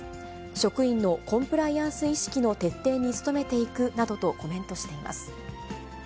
職員のコンプライアンス意識の徹底に努めていくなどとコメントしています。